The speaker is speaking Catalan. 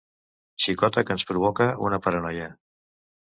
Xicota que ens provoca una paranoia.